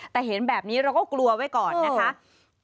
แต่เห็นแบบนี้เราก็กลัวไว้ก่อนนะคะ